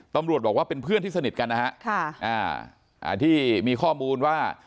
ตำรวจบอกว่าเป็นเพื่อนที่สนิทกันนะฮะที่มีข้อมูลว่า